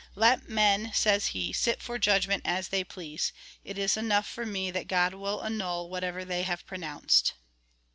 " Let men," says he, " sit for judgment as they please : it is enough for me that God will annul whatever they have pronounced."